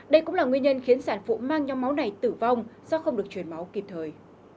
đây cũng là nguyên nhân khiến sản phụ mang nhóm máu này tử vong do không được chuyển máu kịp thời